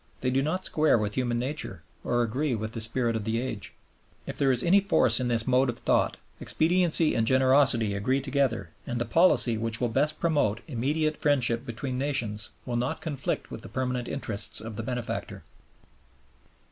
They do not square with human nature or agree with the spirit of the age. If there is any force in this mode of thought, expediency and generosity agree together, and the policy which will best promote immediate friendship between nations will not conflict with the permanent interests of the benefactor.